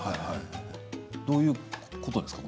どういうことなんですか？